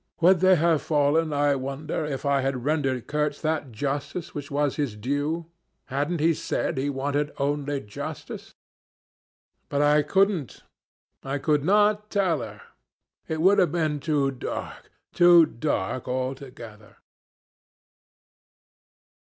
Would they have fallen, I wonder, if I had rendered Kurtz that justice which was his due? Hadn't he said he wanted only justice? But I couldn't. I could not tell her. It would have been too dark too dark altogether.